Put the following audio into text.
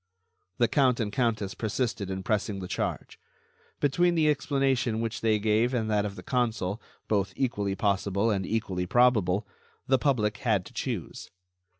The count and countess persisted in pressing the charge. Between the explanation which they gave and that of the consul, both equally possible and equally probable, the public had to choose.